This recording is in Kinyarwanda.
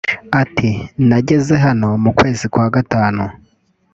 Ati “ Nageze hano mu kwezi kwa gatanu